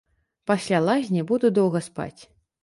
Пасля лазні буду доўга спаць.